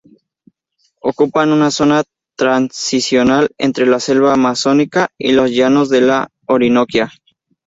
Ocupan una zona transicional entre la selva amazónica y los Llanos de la Orinoquia.